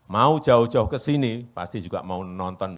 mau jauh jauh ke sini pasti juga mau nonton